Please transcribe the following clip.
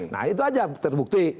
nah itu aja terbukti